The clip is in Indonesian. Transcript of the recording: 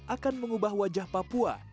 akan mengubah wajah papua